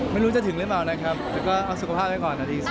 ไม่รู้จะถึงหรือเปล่านะครับแต่ก็เอาสุขภาพไว้ก่อนนาที๒